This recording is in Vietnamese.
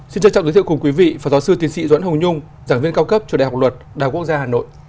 xin chào chào quý vị và giáo sư tiến sĩ doãn hồng nhung giảng viên cao cấp cho đại học luật đảng quốc gia hà nội